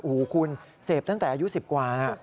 อู๋คุณเสพตั้งแต่อายุ๑๐กว่า